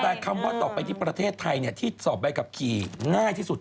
แต่คำว่าต่อไปที่ประเทศไทยที่สอบใบขับขี่ง่ายที่สุด